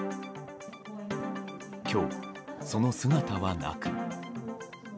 今日、その姿はなく。